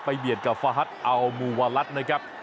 เบียดกับฟาฮัทอัลมูวาลัสนะครับ